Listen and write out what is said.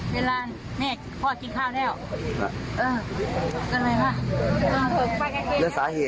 เวลาพ่อกินข้าวแล้วเออทำไมว่ะ